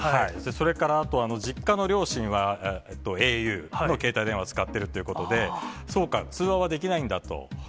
それからあと、実家の両親はａｕの携帯電話を使っているということで、そうか、通話はできないんだと。